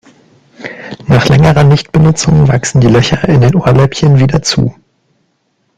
Nach längerer Nichtbenutzung wachsen die Löcher in den Ohrläppchen wieder zu.